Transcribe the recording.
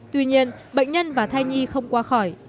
tuy nhiên bệnh nhân và thai nhi không qua khỏi